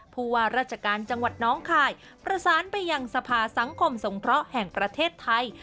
ผู้ว่าราชการจังหวัดน้องคายประสานไปยังสภาสังคมสงเคราะห์แห่งประเทศไทย